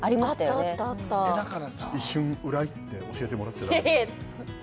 えっだからさ一瞬裏行って教えてもらっちゃダメですか？